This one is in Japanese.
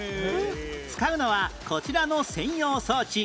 使うのはこちらの専用装置